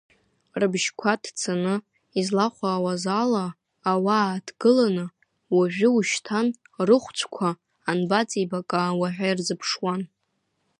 Рыбжьқәа ҭцаны излахәаауаз ала ауаа ааҭгыланы, уажәы-ушьҭан рыхәцәқәа анбаҵибакаауа ҳәа ирзыԥшуан.